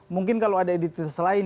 mungkin kalau ada identitas lain